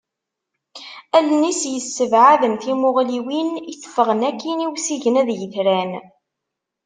Allen-is yessebɛaden timuɣliwin, itteffɣen akkin i usigna d yitran.